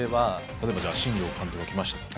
例えば新庄監督が来ました。